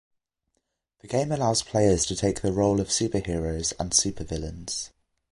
The game allows players to take the role of superheroes and supervillains.